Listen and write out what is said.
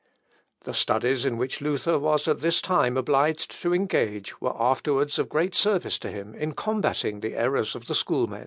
The studies in which Luther was at this time obliged to engage were afterwards of great service to him in combating the errors of the schoolmen.